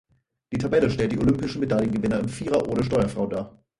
Die Tabelle stellt die olympischen Medaillengewinner im Vierer ohne Steuerfrau dar.